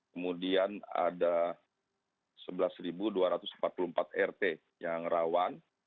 kemudian ada sebelas dua ratus empat puluh empat rt yang rawan